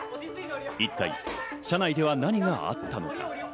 一体、車内では何があったのか。